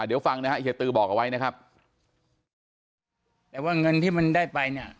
เดี๋ยวฟังนะฮะเฮียตือบอกเอาไว้นะครับแต่ว่าเงินที่มันได้ไปเนี่ย